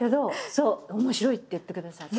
そう面白いって言ってくださって。